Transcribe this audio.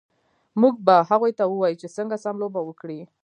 موږ به هغوی ته ووایو چې څنګه سم لوبه وکړي